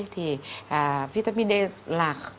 thì vitamin d là